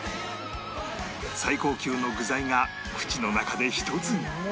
最高級の具材が口の中で一つに